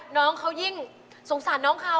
น้องเขายิ่งสงสารน้องเขา